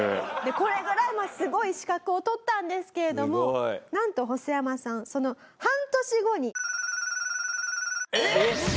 これぐらいすごい資格を取ったんですけれどもなんとホソヤマさんそのえっ！？